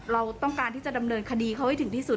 เราต้องการที่จะดำเนินคดีเขาให้ถึงที่สุด